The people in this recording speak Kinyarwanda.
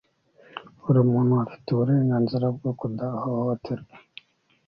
buri muntu afite uburenganzira bwo kudahohoterwa